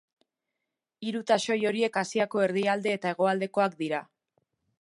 Hiru taxoi horiek Asiako erdialde eta hegoaldekoak dira.